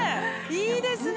いいですね。